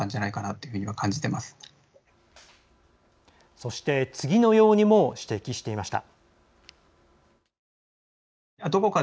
そして、次のようにも指摘していました。